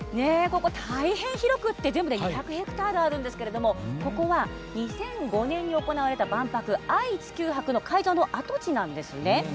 大変広くて、全部で２００ヘクタールあるんですがここは２００５年に行われた万博「愛・地球博」の会場の跡地なんですね。